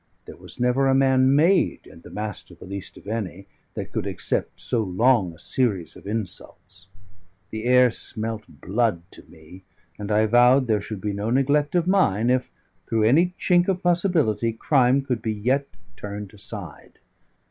There was never a man made, and the Master the least of any, that could accept so long a series of insults. The air smelt blood to me. And I vowed there should be no neglect of mine if, through any chink of possibility, crime could be yet turned aside.